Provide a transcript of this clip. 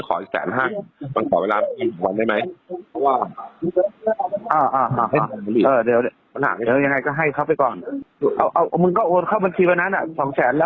ปอปศอกเขาไม่มีเอ็มนอกเขามาได้กลับเฝ้าวันนี้ได้สองแสนแหละ